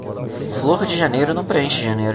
Flor de janeiro não preenche janeiro.